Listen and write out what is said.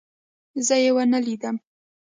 زه يې ونه لیدم.